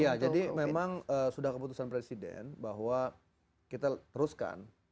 ya jadi memang sudah keputusan presiden bahwa kita teruskan